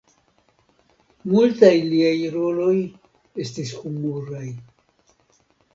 Multaj liaj roloj estis humuraj.